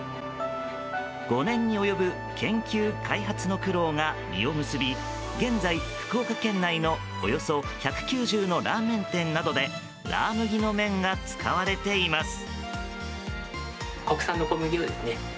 ５年に及ぶ研究・開発の苦労が実を結び現在、福岡県内のおよそ１９０のラーメン店などでラー麦の麺が使われています。